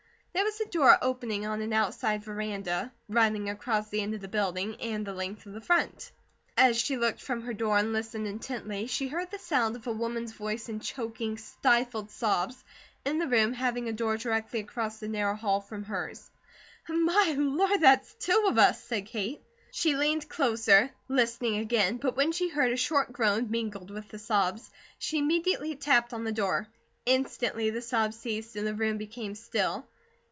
There was a door opening on an outside veranda, running across the end of the building and the length of the front. As she looked from her door and listened intently, she heard the sound of a woman's voice in choking, stifled sobs, in the room having a door directly across the narrow hall from hers. "My Lord! THERE'S TWO OF US!" said Kate. She leaned closer, listening again, but when she heard a short groan mingled with the sobs, she immediately tapped on the door. Instantly the sobs ceased and the room became still.